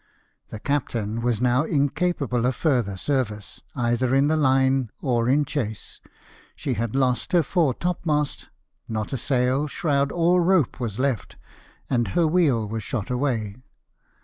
The Captain was now incapable of further service, either in the line or in chase : she had lost her fore topmast ; not a sail, shroud, or rope was left ; and her wheel was shot away.